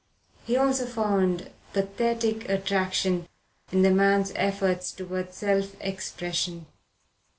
He also found pathetic attraction in the man's efforts towards self expression.